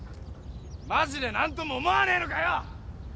マジで何とも思わねえのかよ？